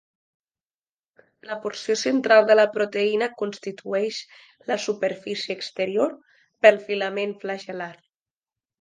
La porció central de la proteïna constitueix la superfície exterior pel filament flagel·lar.